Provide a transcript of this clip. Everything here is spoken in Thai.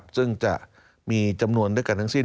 ซึ่งจะมีจำนวนด้วยกันทั้งสิ้น